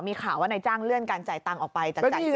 มีข่าวว่าในจ้างเลื่อนการจ่ายตังค์ออกไป